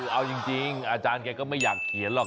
เอาจริงอาจารย์แกก็ไม่อยากเขียนหรอก